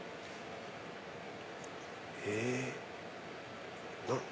へぇ。